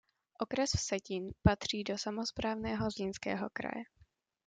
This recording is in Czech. Okres Vsetín patří do samosprávného Zlínského kraje.